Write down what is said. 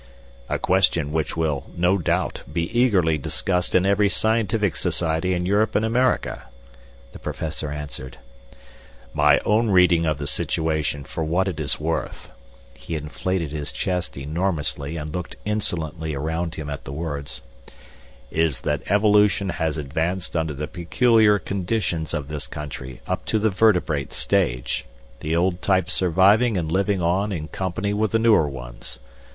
"A question which will, no doubt, be eagerly discussed in every scientific society in Europe and America," the Professor answered. "My own reading of the situation for what it is worth " he inflated his chest enormously and looked insolently around him at the words "is that evolution has advanced under the peculiar conditions of this country up to the vertebrate stage, the old types surviving and living on in company with the newer ones.